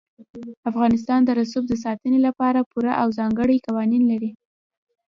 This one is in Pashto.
افغانستان د رسوب د ساتنې لپاره پوره او ځانګړي قوانین لري.